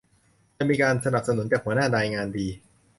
จะมีการสนับสนุนจากหัวหน้านายงานดี